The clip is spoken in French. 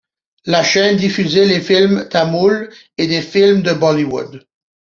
La chaîne diffuse des films tamouls et des films de Bollywood.